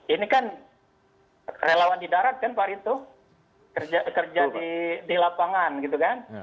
ini kan relawan di darat kan pak ritu kerja di lapangan gitu kan